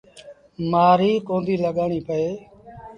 مآريٚ ڪونديٚ لڳآڻيٚ پئي۔